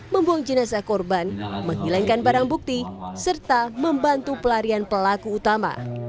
membuang jenazah korban menghilangkan barang bukti serta membantu pelarian pelaku utama